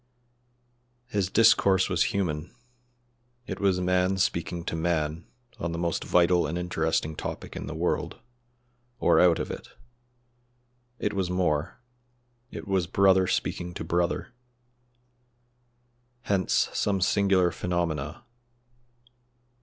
His discourse was human; it was man speaking to man on the most vital and interesting topic in the world or out of it; it was more, it was brother speaking to brother. Hence some singular phenomena.